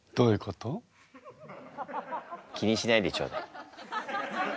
気にしないでちょうだい。